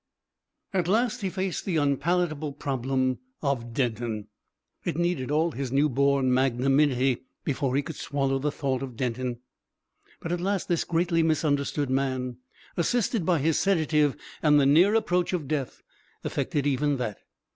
At last he faced the unpalatable problem of Denton. It needed all his newborn magnanimity before he could swallow the thought of Denton; but at last this greatly misunderstood man, assisted by his sedative and the near approach of death, effected even that.